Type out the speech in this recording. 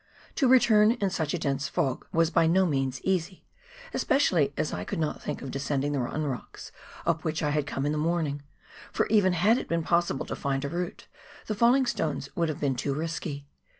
To return in such a dense fog was by no means easy, especially as I could not think of descending the rotten rocks, up which I had come in the morning ; for even had it been possible to find a route, the falling stones would have been too risky.